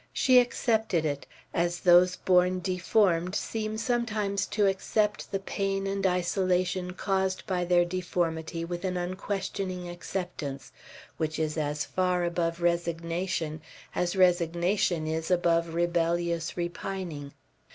She accepted it, as those born deformed seem sometimes to accept the pain and isolation caused by their deformity, with an unquestioning acceptance, which is as far above resignation, as resignation is above rebellious repining.